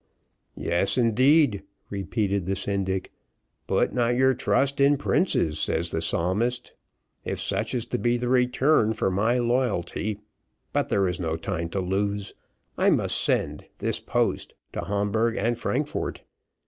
"Yes, indeed," repeated the syndic, "'put not your trust in princes,' says the psalmist. If such is to be the return for my loyalty but there is no time to lose. I must send this post, to Hamburgh and Frankfort.